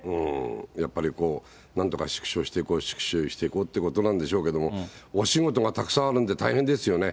やっぱりなんとか縮小していこう、縮小していこうっていうことなんでしょうけれども、お仕事がたくさんあるんで、大変ですよね。